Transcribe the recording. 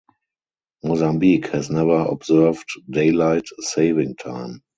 Mozambique has never observed daylight saving time.